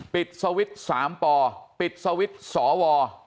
ปิดสวิตช์๓ปปิดสวิตช์สว